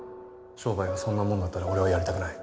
商売がそんなもんだったら俺はやりたくない。